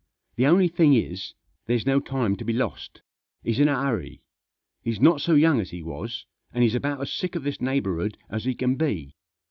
The only thing is, there's no time to be lost. He's in a hurry. He's not so young as he was, and he's about as sick of this neighbourhood as he can be."